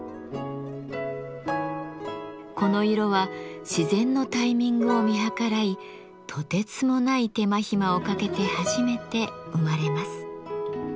この色は自然のタイミングを見計らいとてつもない手間ひまをかけて初めて生まれます。